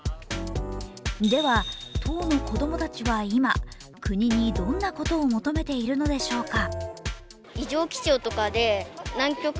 では、当の子供たちは今国にどんなことを求めているのでしょうか。